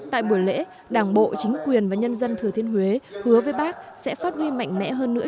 tại buổi lễ đảng bộ chính quyền và nhân dân thừa thiên huế hứa với bác sẽ phát huy mạnh mẽ hơn nữa